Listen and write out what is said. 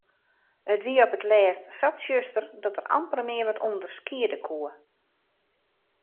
It wie op 't lêst sa tsjuster dat er amper mear wat ûnderskiede koe.